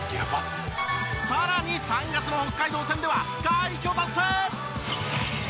さらに３月の北海道戦では快挙達成！